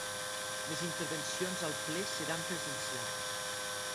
Les intervencions al ple seran presencials.